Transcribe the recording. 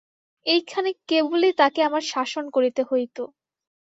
এইখানে কেবলই তাকে আমার শাসন করিতে হইত।